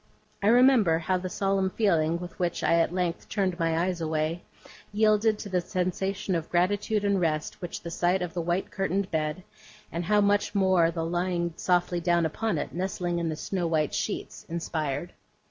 I remember how the solemn feeling with which at length I turned my eyes away, yielded to the sensation of gratitude and rest which the sight of the white curtained bed and how much more the lying softly down upon it, nestling in the snow white sheets! inspired.